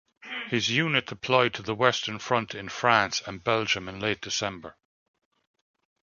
His unit deployed to the Western Front in France and Belgium in late December.